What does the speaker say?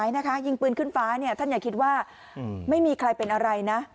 นะคะยิงปืนขึ้นฟ้าเนี่ยท่านอย่าคิดว่าไม่มีใครเป็นอะไรนะ